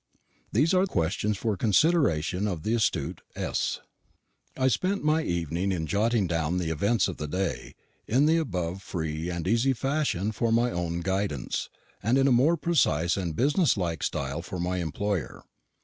These are questions for the consideration of the astute S. I spent my evening in jotting down the events of the day, in the above free and easy fashion for my own guidance, and in a more precise and business like style for my employer.